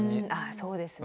そうですね